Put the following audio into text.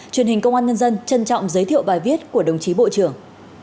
truyền hình công an nhân dân trân trọng giới thiệu bài viết của đồng chí bộ trưởng